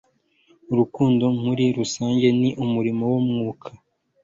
urukundo muri rusange ni umuriro wo mu mwuka